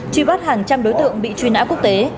truy bắt hàng trăm đối tượng bị truy nã quốc tế